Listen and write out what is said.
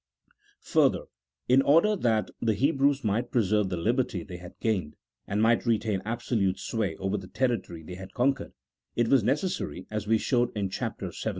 Further, in order that the Hebrews might preserve the liberty they had gained, and might retain absolute sway over the territory they had conquered, it was necessary, as we showed in Chapter XVII.